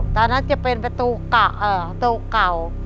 ตอนนั้นจะเป็นประตูเก่า